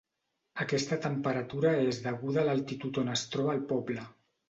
Aquesta temperatura és deguda a l'altitud on es troba el poble.